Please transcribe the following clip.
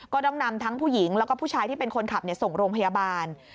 ก็ต้องนำทั้งผู้หญิงแล้วก็ผู้ชายที่เป็นคนขับส่งโรงพยาบาล